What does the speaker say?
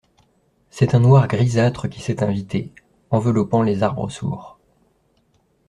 C’est un noir grisâtre qui s’est invité, enveloppant les arbres sourds.